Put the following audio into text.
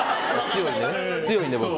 強いんで、僕。